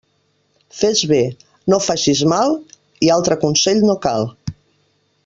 Fes bé, no faces mal i altre consell no cal.